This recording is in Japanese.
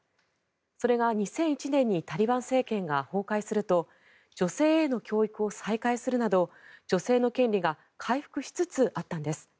それが２００１年にタリバン政権が崩壊すると女性への教育を再開するなど女性の権利が回復しつつあったんです。